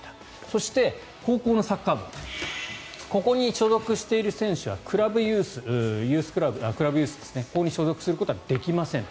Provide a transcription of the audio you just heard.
そして、高校のサッカー部ここに所属している選手はクラブユースには所属することはできません。